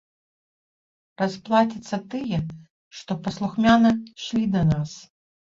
Расплацяцца тыя, што паслухмяна ішлі на нас.